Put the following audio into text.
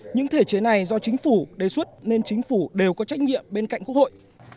những thể chế này do chính phủ đề xuất nên chính phủ đều có trách nhiệm bên cạnh quốc hội